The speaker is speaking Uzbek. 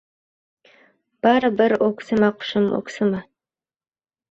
Bari bir o‘ksima, qushim, o‘ksima!